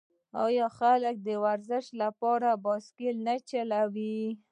آیا خلک د ورزش لپاره بایسکل نه چلوي؟